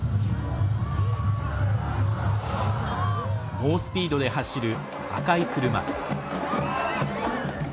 猛スピードで走る赤い車。